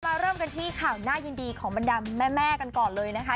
เริ่มกันที่ข่าวน่ายินดีของบรรดาแม่กันก่อนเลยนะคะ